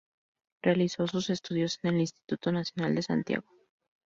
Realizó sus estudios en el Instituto Nacional, en Santiago.